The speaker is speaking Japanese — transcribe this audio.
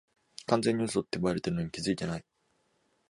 完全に嘘ってバレてるのに気づいてない